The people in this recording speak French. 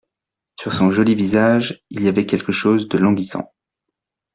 Sur son joli visage il y avait quelque chose de languissant.